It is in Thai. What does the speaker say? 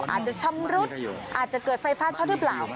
อาจจะชำรุดอาจจะเกิดไฟฟ้าช็อตหรือเปล่า